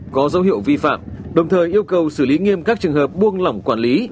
có dấu hiệu vi phạm đồng thời yêu cầu xử lý nghiêm các trường hợp buông lỏng quản lý